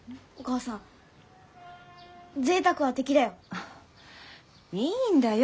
あいいんだよ